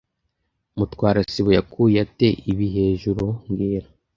Mutwara sibo yakuye ate ibi hejuru mbwira